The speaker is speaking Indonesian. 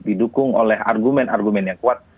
didukung oleh argumen argumen yang kuat